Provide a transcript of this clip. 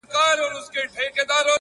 خلک ډېر وه تر درباره رسېدلي؛